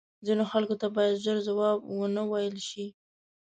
ځینو خلکو ته باید زر جواب وه نه ویل شې